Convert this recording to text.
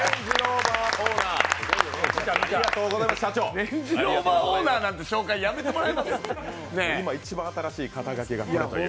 レンジローバーオーナーなんていう紹介やめてもらえますか。